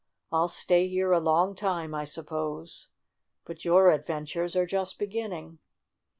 I'll stay here a long time, I suppose. But your adventures are just beginning."